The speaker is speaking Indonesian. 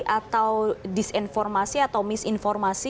atau disinformasi atau misinformasi